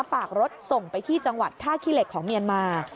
ฝากรถส่งไปที่จังหวัดท่าขี้เหล็กของเมียนมา